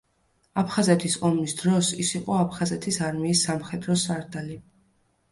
აფხაზეთის ომის დროს ის იყო აფხაზეთის არმიის სამხედრო სარდალი.